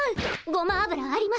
ごま油あります？